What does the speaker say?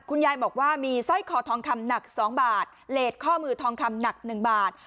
คุณยายบอกว่ามีสร้อยคอทองคำหนัก๒บาทเลสข้อมือทองคำหนัก๑บาท